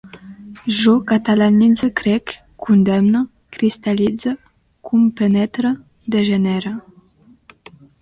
Jo catalanitze, crec, condemne, cristal·litze, compenetre, degenere